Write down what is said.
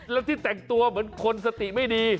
แล้วที่แต่งตัวเหมือนคนสติไม่ดี